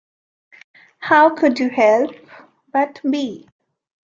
How could you help but be?